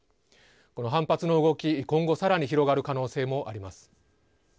この反発の動き、今後さらに広がる可能性もあります。